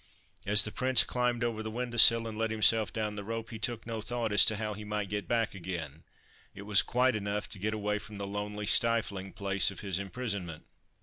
As the Prince climbed over the window sill and let himself down the rope, he took 162 THE FIRE BIRD no thought as to how he might get back again ; it was quite enough to get away from the lonely, stifling place of his im prisonment.